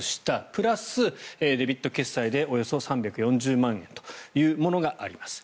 プラス、デビット決済でおよそ３４０万円というものがあります。